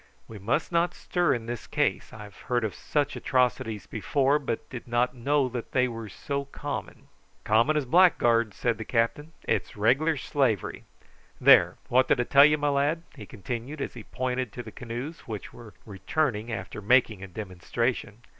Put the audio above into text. "We must not stir in this case. I've heard of such atrocities before, but did not know that they were so common." "Common as blackguards," said the captain, "It's regular slavery. There, what did I tell you, my lad?" he continued, as he pointed to the canoes, which were returning after making a demonstration.